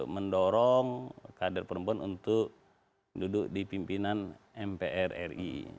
mendorong kader perempuan untuk duduk di pimpinan mpr ri